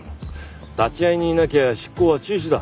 立会人いなきゃ執行は中止だ。